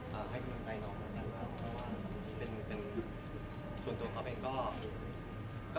ให้คุณภูมิใจน้องมากเป็นส่วนตัวของก๊อฟเองก็